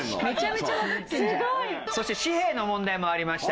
そして紙幣の問題もありました。